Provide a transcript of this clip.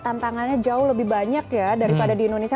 tantangannya jauh lebih banyak ya daripada di indonesia